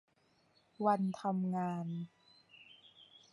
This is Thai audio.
วันทำงาน